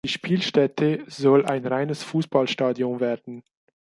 Die Spielstätte soll ein reines Fußballstadion werden.